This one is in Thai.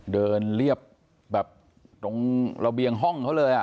เรียบแบบตรงระเบียงห้องเขาเลย